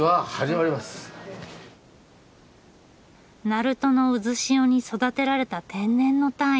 鳴門の渦潮に育てられた天然のタイ。